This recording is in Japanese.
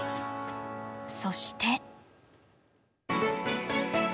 そして。